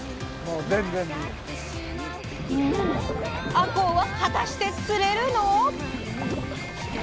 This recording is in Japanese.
あこうは果たして釣れるの？